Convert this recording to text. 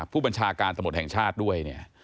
ผู้บัญชาการตำรวจแห่งชาติด้วยเนี่ย